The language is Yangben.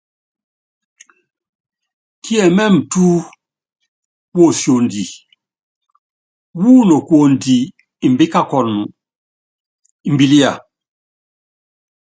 Kiɛmɛ́ɛmɛ túú, wosiondi, wúnokuondi, imbíkakunɔ, imbilia.